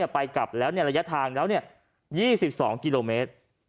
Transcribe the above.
ไปกลับระยะทางแล้ว๒๒กิโลเมตร